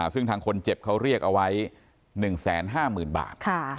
ซึ่งทางคนเจ็บเขาเรียกเอาไว้๑๕๐๐๐บาท